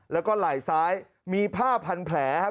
แล้วก็ไหล่ซ้ายมีผ้าพันแผลครับ